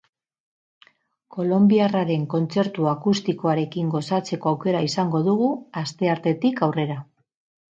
Kolonbiarraren kontzertu akustikoarekin gozatzeko aukera izango dugu asteartetik aurrera.